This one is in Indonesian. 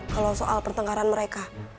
kalau soal pertengkaran mereka